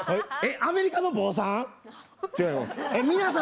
アメリカの坊さん？